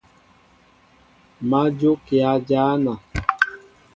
Má jókíá jăna.